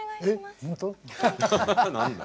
何だ。